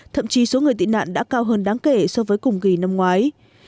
thậm chí số người tị nạn đã cao hơn đáng kể so với cùng kỳ năm ngoái